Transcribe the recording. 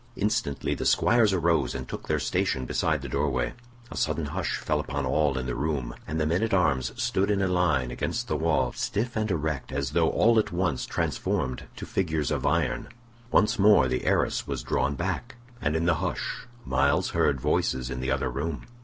Instantly the squires arose and took their station beside the door way. A sudden hush fell upon all in the room, and the men at arms stood in a line against the wall, stiff and erect as though all at once transformed to figures of iron. Once more the arras was drawn back, and in the hush Myles heard voices in the other room.